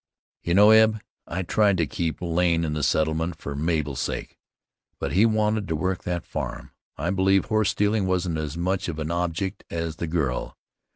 "You know, Eb, I tried to keep Lane in the settlement for Mabel's sake. But he wanted to work that farm. I believe horse stealing wasn't as much of an object as the girl.